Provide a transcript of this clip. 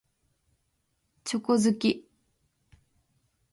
チョコ好き。